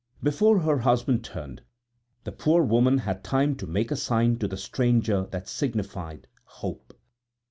Before her husband turned, the poor woman had time to make a sign to the stranger that signified: Hope!